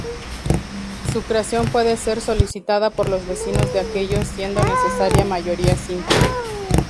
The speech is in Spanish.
Su creación puede ser solicitada por los vecinos de aquellos, siendo necesaria mayoría simple.